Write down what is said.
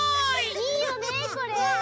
いいよねこれ。